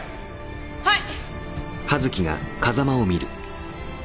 はい。